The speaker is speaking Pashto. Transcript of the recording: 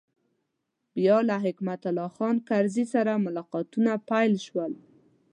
بیا له حکمت الله خان کرزي سره ملاقاتونه پیل شول.